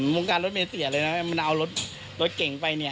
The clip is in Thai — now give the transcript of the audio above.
วงการรถเมย์เสียเลยนะมันเอารถเก่งไปเนี่ย